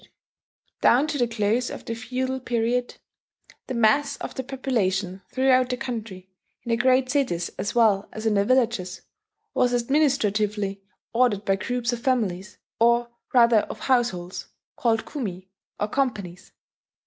I select a few examples from Professor Wigmore's translation: [*Down to the close of the feudal period, the mass of the population throughout the country, in the great cities as well as in the villages, was administratively ordered by groups of families, or rather of households, called Kumi, or "companies."